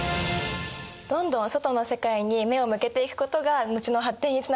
どんどん外の世界に目を向けていくことが後の発展につながるんだね。